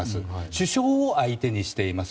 首相を相手にしています。